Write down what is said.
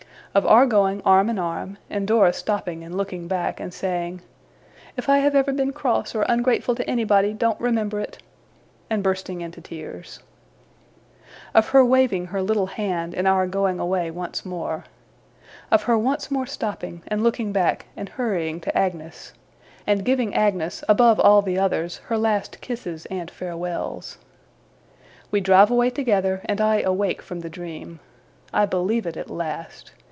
Of our going, arm in arm, and Dora stopping and looking back, and saying, 'If I have ever been cross or ungrateful to anybody, don't remember it!' and bursting into tears. Of her waving her little hand, and our going away once more. Of her once more stopping, and looking back, and hurrying to Agnes, and giving Agnes, above all the others, her last kisses and farewells. We drive away together, and I awake from the dream. I believe it at last.